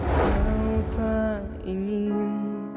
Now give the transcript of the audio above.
kau tak ingin